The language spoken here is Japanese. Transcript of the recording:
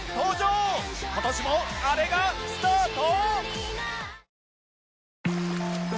今年もあれがスタート！